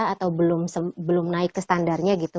atau belum naik ke standarnya gitu